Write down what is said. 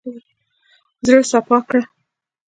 زړه سپا کړه.